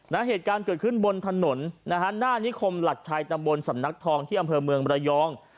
เหตุการณ์เกิดขึ้นบนถนนนะฮะหน้านิคมหลักชัยตำบลสำนักทองที่อำเภอเมืองระยอง